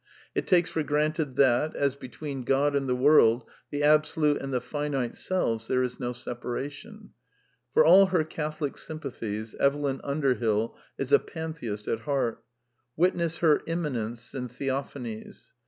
It takes for granted that, as between God and the world, the Absolute and the finite selves, there is no separation. For all her Catholic sympathi Evelyn Underbill is a pantheist at heart Witness her " Immanence " and " Theophanies."